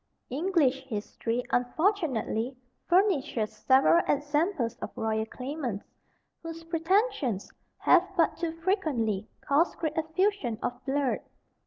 English history, unfortunately, furnishes several examples of royal claimants, whose pretensions have but too frequently caused great effusion of blood.